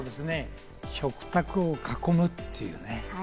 食卓を囲むっていうね。